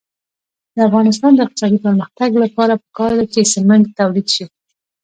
د افغانستان د اقتصادي پرمختګ لپاره پکار ده چې سمنټ تولید شي.